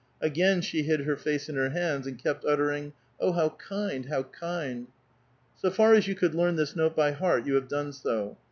Again she hid her face in her hands, and kept uttering, "Oh, how kind ! how kind !"" So far as you could learn tbis note by heart, you hav$ done so.